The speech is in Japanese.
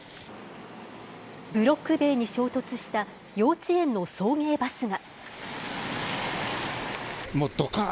ブロック塀に衝突した幼稚園の送迎バスが。